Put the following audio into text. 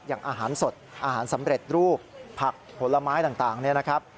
อย่างอาหารสดอาหารสำเร็จรูปผักผลไม้ต่างเนี่ยนะครับ